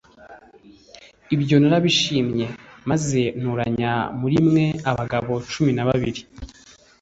ibyo narabishimye; maze ntoranya muri mwe abagabo cumi na babiri